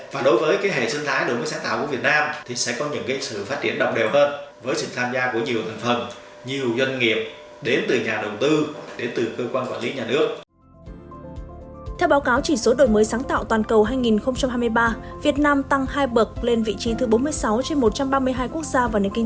và đối với hệ sinh thái đội mới sáng tạo của việt nam thì sẽ có những sự phát triển đồng đều hơn